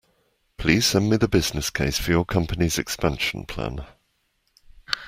Please send me the business case for your company’s expansion plan